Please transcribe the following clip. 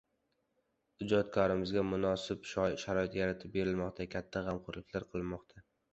ijodkorlarimizga munosib sharoit yaratib berilmoqda, katta g‘amxo‘rliklar qilinmoqda.